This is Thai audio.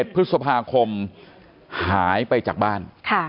๑พฤษภาคมหายไปจากบ้าน